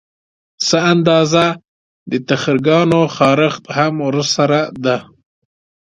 څه اندازه د تخرګو خارښت هم ورسره ده